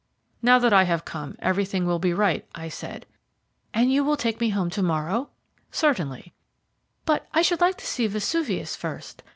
"Now that I have come, everything will be right," I said. "And you will take me home to morrow?" "Certainly." "But I should like to see Vesuvius first.